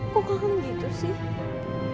kok kakak begitu sih